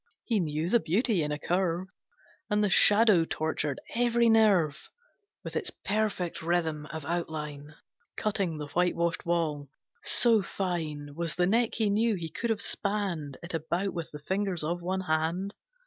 He knew the beauty in a curve, And the Shadow tortured every nerve With its perfect rhythm of outline Cutting the whitewashed wall. So fine Was the neck he knew he could have spanned It about with the fingers of one hand.